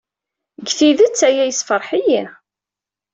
Deg tidet, aya yessefṛeḥ-iyi.